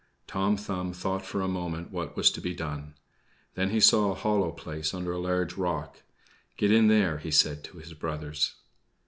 Tom Thumb thought for a moment what was to be done. Then he saw a hollow place under a large rock. "Get in there," he said to his brothers.